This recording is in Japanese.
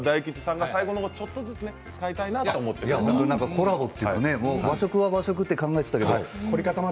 コラボというと、和食は和食と考えていたけれども。